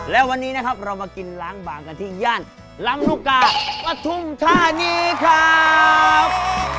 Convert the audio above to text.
และวันนี้นะครับเรามากินล้างบางกันที่ย่านลำลูกกาปฐุมธานีครับ